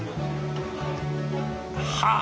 はあ